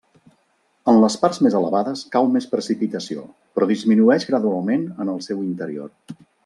En les parts més elevades cau més precipitació, però disminueix gradualment en el seu interior.